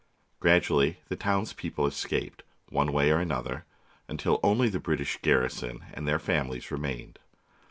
Gradually the townspeople escaped, one way or another, until only the British garrison and their families remained.